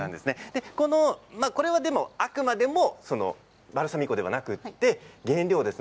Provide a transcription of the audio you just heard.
これはあくまでもバルサミコではなく原料です。